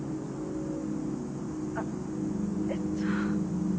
あえっと。